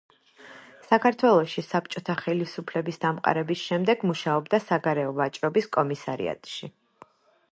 საქართველოში საბჭოთა ხელისუფლების დამყარების შემდეგ მუშაობდა საგარეო ვაჭრობის კომისარიატში.